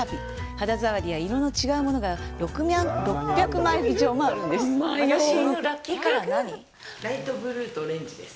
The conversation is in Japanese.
肌触りや色の違うものが６００枚以上もあるんです。